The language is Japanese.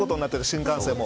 新幹線も。